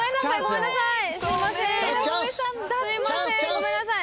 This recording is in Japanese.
ごめんなさい。